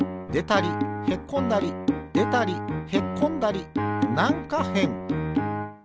でたりへっこんだりでたりへっこんだりなんかへん。